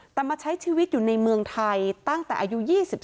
แต่มาใช้ชีวิตอยู่ในเมืองไทยตั้งแต่อายุ๒๓